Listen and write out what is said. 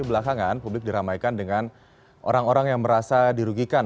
belakangan publik diramaikan dengan orang orang yang merasa dirugikan